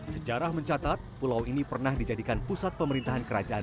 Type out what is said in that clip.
sejarah mencatat pulau ini pernah dijadikan pusat pemerintahan kerajaan